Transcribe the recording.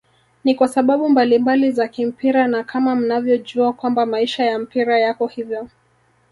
Ni kwasababu mbalimbali za kimpira na kama mnavyojua kwamba maisha ya mpira yako hivyo